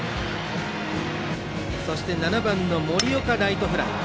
そして７番、森岡はライトフライ。